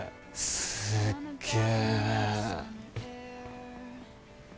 すっげー。